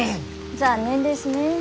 残念ですねえ。